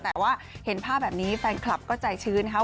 แต่ว่าเห็นภาพแบบนี้แฟนคลับก็ใจชื้นนะครับ